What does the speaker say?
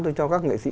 thì cho các nghệ sĩ